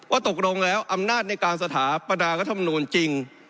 ตกลงแล้วอำนาจในการสถาปนารัฐมนูลจริง